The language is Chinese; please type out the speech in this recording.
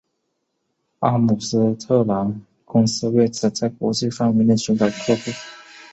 阿姆斯特朗公司为此在国际范围内寻找客户。